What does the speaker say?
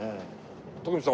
徳光さん